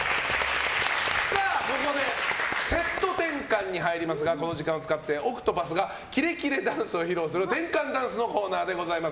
ここでセット転換に入りますがこの時間を使ってＯＣＴＰＡＴＨがキレキレダンスを披露する転換ダンスのコーナーでございます。